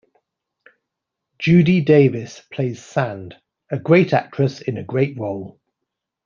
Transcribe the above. Judy Davis plays Sand-a great actress in a great role.